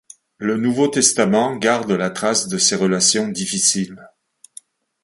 Le Nouveau Testament garde la trace de ces relations difficiles.